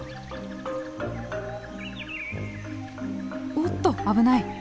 おっと危ない。